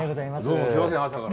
どうもすいません朝から。